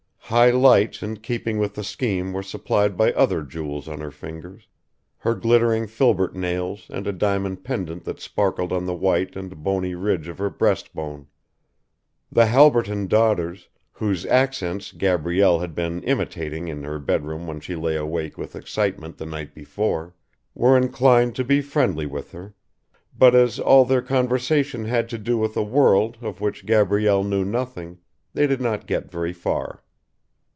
High lights in keeping with the scheme were supplied by other jewels on her fingers, her glittering filbert nails and a diamond pendant that sparkled on the white and bony ridge of her breastbone. The Halberton daughters, whose accents Gabrielle had been imitating in her bedroom when she lay awake with excitement the night before, were inclined to be friendly with her; but as all their conversation had to do with a world of which Gabrielle knew nothing, they did not get very far.